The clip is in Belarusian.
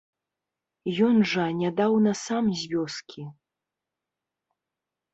Ён жа нядаўна сам з вёскі.